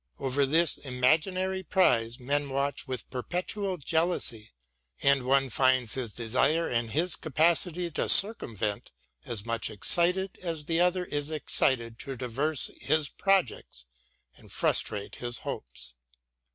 Over this imaginary prize men watch with perpetual jealousy; and one finds his desire and his capacity to circumvent as much eidted as the other is excited to traverse his projects and frustrate his hopes.